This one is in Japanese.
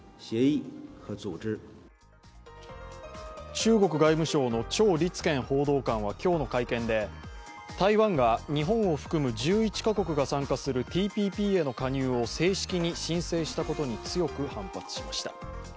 中国外務省の趙立堅報道官は今日の会見で台湾が日本を含む１１カ国が参加するＴＰＰへの加入を正式に申請したことに強く反発しました。